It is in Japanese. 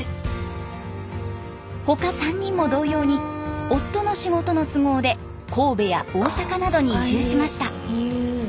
他３人も同様に夫の仕事の都合で神戸や大阪などに移住しました。